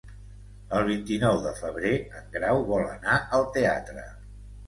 El vint-i-nou de febrer en Grau vol anar al teatre.